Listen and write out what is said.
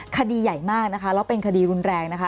คดีใหญ่มากนะคะแล้วเป็นคดีรุนแรงนะคะ